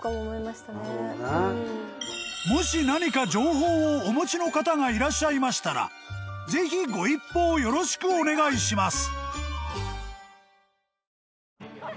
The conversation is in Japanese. ［もし何か情報をお持ちの方がいらっしゃいましたらぜひご一報よろしくお願いします］